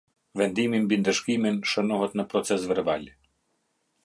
Vendimi mbi ndëshkimin shënohet në procesverbal.